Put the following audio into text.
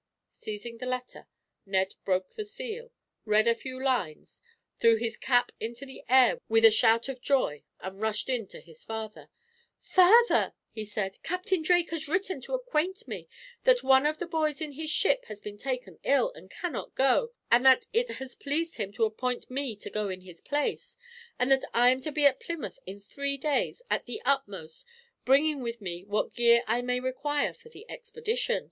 Seizing the letter, Ned broke the seal, read a few lines, threw his cap into the air with a shout of joy, and rushed in to his father. "Father," he said, "Captain Drake has written to acquaint me that one of the boys in his ship has been taken ill, and cannot go; and that it has pleased him to appoint me to go in his place; and that I am to be at Plymouth in three days, at the utmost, bringing with me what gear I may require for the expedition."